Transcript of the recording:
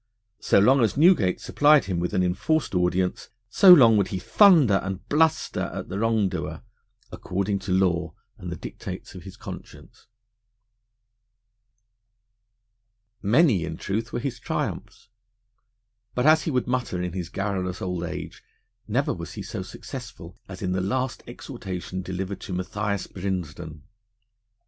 So long as Newgate supplied him with an enforced audience, so long would he thunder and bluster at the wrongdoer according to law and the dictates of his conscience. Many, in truth, were his triumphs, but, as he would mutter in his garrulous old age, never was he so successful as in the last exhortation delivered to Matthias Brinsden.